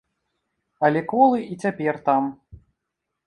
Але колы і цяпер там.